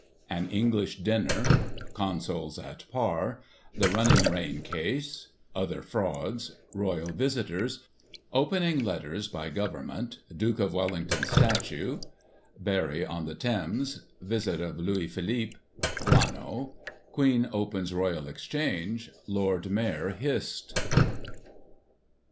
An English dinner — Consols at par— The " Running Rein " case — Other frauds — Royal visitors — Opening letters by Government — Duke of Wellington's Statue — Barry on the Thames — Visit of Louis Philippe — Guano — Queen opens Royal Exchange — Lord Mayor hissed.